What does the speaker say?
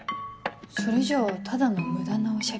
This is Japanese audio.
それじゃあただの無駄なおしゃべり。